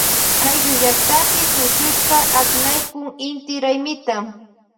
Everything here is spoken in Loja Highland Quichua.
Ayllullaktapi tushushpa aknaykun inti raymita.